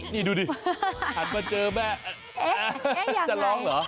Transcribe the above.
นี่ดูดิหันมาเจอแม่จะร้องเหรอ